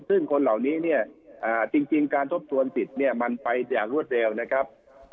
ซึ่งคนเหล่านี้เนี่ยจริงการทบทวนสิทธิ์เนี่ยมันไปอย่างรวดเร็วนะครับ